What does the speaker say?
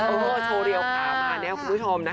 โอ้โหโชว์เรียลค่ะมาเนี่ยคุณผู้ชม